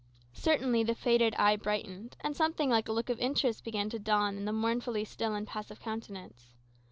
Certainly the faded eye brightened; and something like a look of interest began to dawn in the mournfully still and passive countenance.